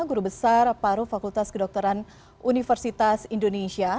guru besar paru fakultas kedokteran universitas indonesia